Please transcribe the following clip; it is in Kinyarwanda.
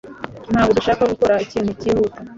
Ntabwo dushaka gukora ikintu cyihuta